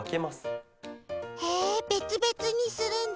へえべつべつにするんだ。